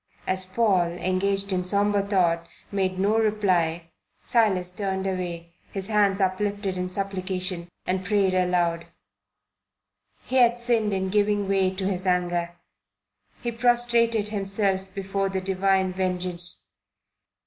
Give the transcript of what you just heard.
As Paul, engaged in sombre thought, made no reply, Silas turned away, his hands uplifted in supplication, and prayed aloud. He had sinned in giving way to his anger. He prostrated himself before the divine vengeance.